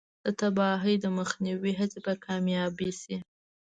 د تباهۍ د مخنیوي هڅې به کامیابې شي.